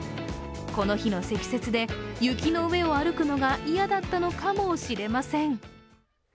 この日の積雪で雪の上を歩くのが嫌だったのかもしれません。